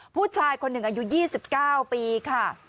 ผู้ชายคนหนึ่งอายุ๒๙ปีค่ะ